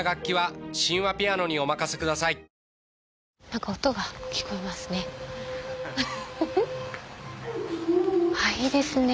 何か音が聴こえますね。